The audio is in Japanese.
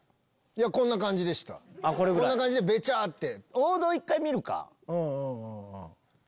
こんな感じでベチャって。